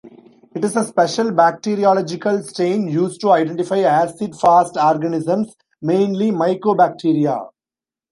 It is a special bacteriological stain used to identify acid-fast organisms, mainly Mycobacteria.